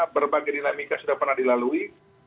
berbagai dinamika sudah pernah dilalui